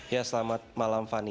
ya selamat malam fani